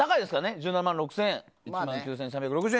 １７万６０００円１万９３６０円